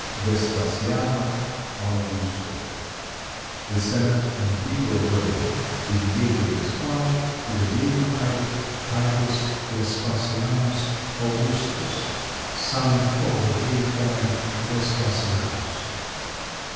VESPASIANO AUGUSTO (The senate and people of Rome (dedicated this arch) to the deified Titus Vespasianus Augustus, son of the deified Vespasianus.)